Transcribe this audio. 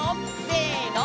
せの！